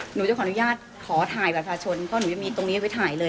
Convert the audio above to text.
หนูจะขออนุญาตขอถ่ายประชาชนเพราะหนูยังมีตรงนี้ไว้ถ่ายเลย